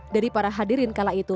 dari para hadirin kala itu